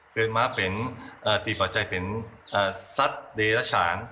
เกิดมาเป็นอธิปัจจัยเป็นสัตว์เดรัชาน